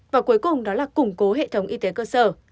và cuối cùng đó là củng cố hệ thống y tế cơ sở